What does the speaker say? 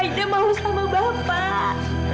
aida mau sama bapak